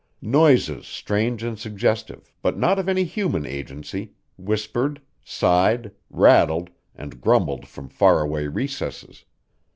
Noises strange and suggestive, but not of any human agency, whispered, sighed, rattled, and grumbled from far away recesses.